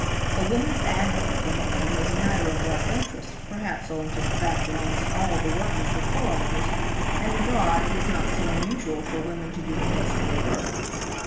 A woman's advent among them was a matter of less interest, perhaps owing to the fact that almost all the workers were foreigners, and abroad it is not so unusual for women to do industrial work.